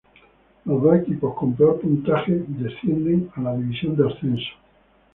Los dos equipos con peor puntaje descienden a la división de ascenso.